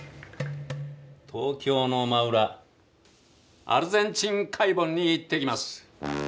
東京の真裏アルゼンチン海盆に行ってきます。